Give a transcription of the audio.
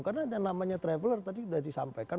karena ada yang namanya traveler tadi udah disampaikan